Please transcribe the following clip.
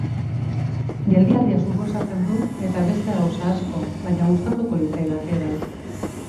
Geldialdia suposatzen du eta beste gauza asko, baina gustatuko litzaidake, bai.